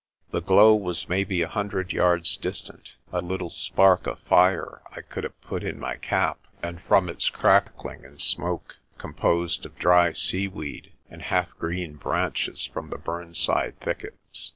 MAN ON KIRKCAPLE SHORE 17 The glow was maybe a hundred yards distant, a little spark of fire I could have put in my cap, and, from its crackling and smoke, composed of dry seaweed and half green branches from the burnside thickets.